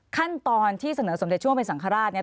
ขั้นตอนที่เสนอสมเด็จช่วงเป็นสังฆราชเนี่ย